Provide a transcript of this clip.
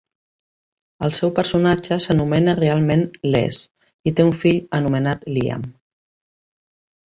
El seu personatge s'anomena realment Les i té un fill anomenat Liam.